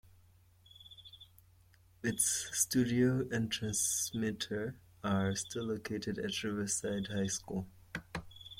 Its studio and transmitter are still located at Riverside High School.